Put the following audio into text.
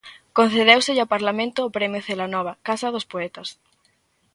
Concedéuselle ao Parlamento o Premio Celanova, Casa dos Poetas.